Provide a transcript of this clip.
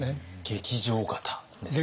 劇場型ですかね？